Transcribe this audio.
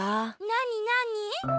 なになに？